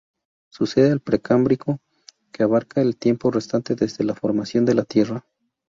Sucede al Precámbrico, que abarca el tiempo restante desde la formación de la Tierra.